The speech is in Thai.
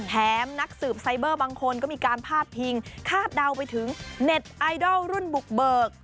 นักสืบไซเบอร์บางคนก็มีการพาดพิงคาดเดาไปถึงเน็ตไอดอลรุ่นบุกเบิก